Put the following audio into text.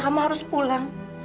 kamu harus pulang